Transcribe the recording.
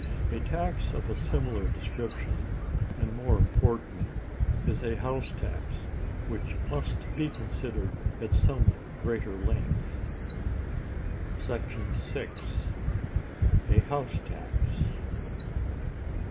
A tax of a similar description, and more important, is a house tax, which must be considered at somewhat greater length. § 6. A House Tax.